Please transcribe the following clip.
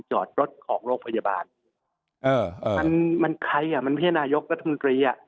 จอดรถของโรคพยาบาลมันใครอ่ะมันเพื่อนายกราธินิตรีอ่ะ